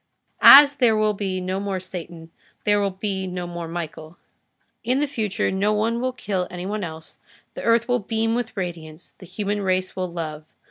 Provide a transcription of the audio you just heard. As there will be no more Satan, there will be no more Michael. In the future no one will kill any one else, the earth will beam with radiance, the human race will love.